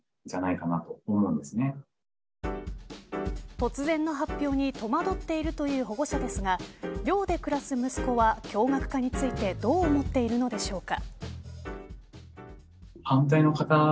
突然の発表に戸惑っているという保護者ですが寮で暮らす息子は共学化についてどう思っているのでしょうか。